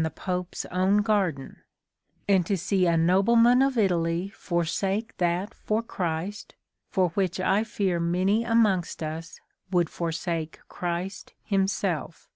the Pope's own garden ; and to see a nobleman of Italy for sake that for Christ, for which I feare many amongst us would forsake Christ Himselfe.